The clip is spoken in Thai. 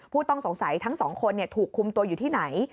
ผู้ต้องสงสัยทั้งสองคนถูกคุมตัวอยู่ที่ไหน